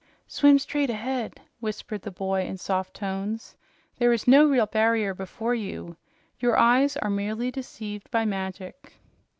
"Swim straight ahead," whispered the boy in soft tones. "There is no real barrier before you. Your eyes are merely deceived by magic."